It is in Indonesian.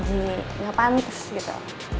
jadi nggak pantas gitu